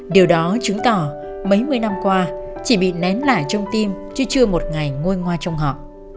điều đó chứng tỏ mấy mươi năm qua chỉ bị nén lại trong tim chứ chưa một ngày ngôi ngoa trong họ